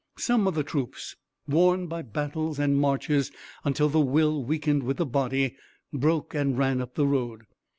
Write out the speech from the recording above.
Some of the troops, worn by battles and marches until the will weakened with the body, broke and ran up the road.